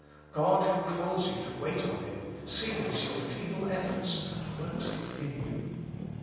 God who calls you to wait on Him, sees your feeble efforts, and works it in you.